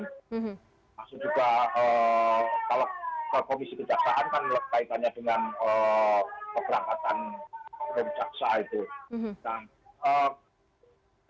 maksudnya juga kalau komisi kejaksaan kan melakukan kaitannya dengan pekeramatan remjaksa itu